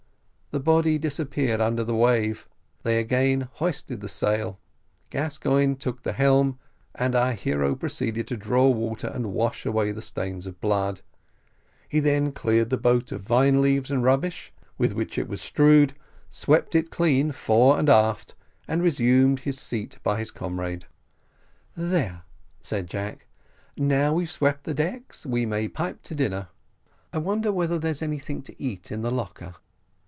The body disappeared under the wave they again hoisted the sail, Gascoigne took the helm, and our hero proceeded to draw water and wash away the stains of blood; he then cleared the boat of vine leaves and rubbish, with which it was strewed, swept it clean fore and aft, and resumed his seat by his comrade. "There," said Jack, "now we've swept the decks, we may pipe to dinner. I wonder whether there is anything to eat in the locker?"